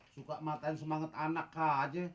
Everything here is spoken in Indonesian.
suka matain semangat anak kah aja